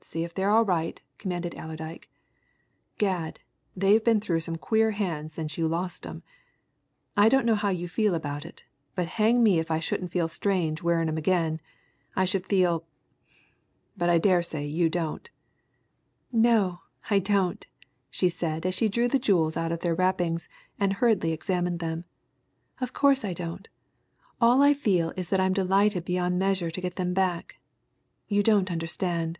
"See if they're all right," commanded Allerdyke "Gad! they've been through some queer hands since you lost 'em. I don't know how you feel about it, but hang me if I shouldn't feel strange wearing 'em again! I should feel but I daresay you don't!" "No, I don't!" she said as she drew the jewels out of their wrappings and hurriedly examined them. "Of course I don't; all I feel is that I'm delighted beyond measure to get them back. You don't understand."